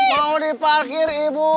mau diparkir ibu